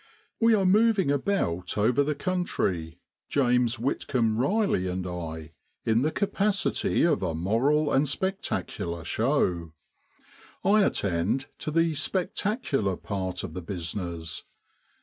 We are moving about over the country, James Whitcomb Riley and I, in the capacity of a moral and spectacular show, I attend to the spectacular part of the business.